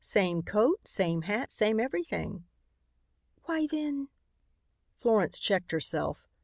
Same coat, same hat, same everything." "Why then " Florence checked herself.